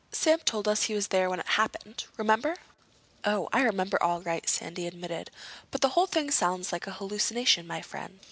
Sam told us he was there when it happened. Remember?" "Oh, I remember all right," Sandy admitted. "But the whole thing sounds like a hallucination, my friend.